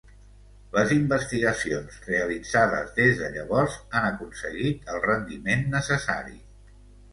Les investigacions realitzades des de llavors han aconseguit el rendiment necessari.